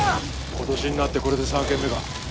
今年になってこれで３軒目か。